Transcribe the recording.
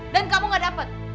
dan kamu gak dapet